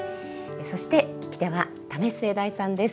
そして聞き手は為末大さんです。